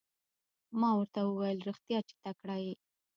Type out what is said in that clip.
ما ورته وویل رښتیا چې تکړه یې.